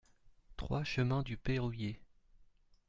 trois chemin du Payrouillé